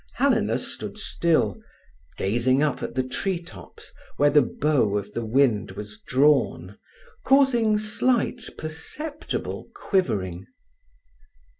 Helena stood still, gazing up at the tree tops where the bow of the wind was drawn, causing slight, perceptible quivering.